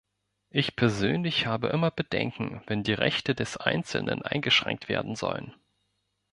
Ich persönlich habe immer Bedenken, wenn die Rechte des einzelnen eingeschränkt werden sollen.